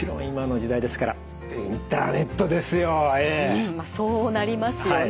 うんまあそうなりますよね。